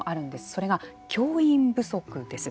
それが教員不足です。